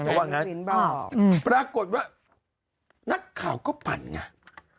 เพราะว่างั้นปรากฏว่านักข่าวก็ปั่นไง